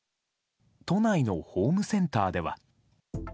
都内のホームセンターでは。